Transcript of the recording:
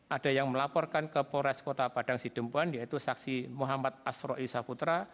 ada yang melaporkan ke polres kota padang sidempuan yaitu saksi muhammad asroi saputra